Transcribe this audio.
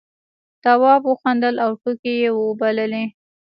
تواب وخندل او ټوکې یې وبللې.